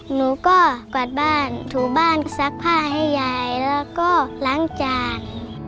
หนูก็กวาดบ้านถูบ้านซักผ้าให้ยายแล้วก็ล้างจาน